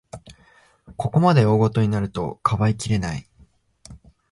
ここまで大ごとになると、かばいきれない